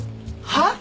はあ？